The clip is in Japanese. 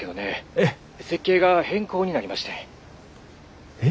設計が変更になりましてん。